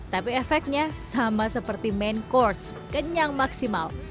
tapi efeknya sama seperti main course kenyang maksimal